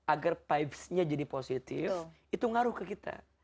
agar vibes nya jadi positive itu ngaruh ke kita